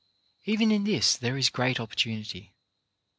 Even in this there is a great opportunity.